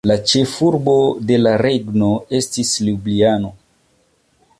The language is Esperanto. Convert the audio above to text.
Ĉefurbo de la regno estis Ljubljano.